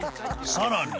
［さらに］